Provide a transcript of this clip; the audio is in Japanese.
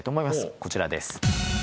こちらです。